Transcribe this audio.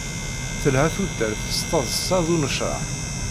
Telha tudert s taḍṣa d unecṛeḥ.